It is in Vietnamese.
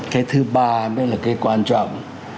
cái thứ ba mới là cái quan trọng